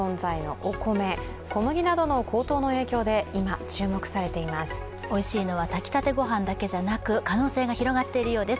おいしいのは、炊きたてご飯だけじゃなく、可能性が広がっているようです。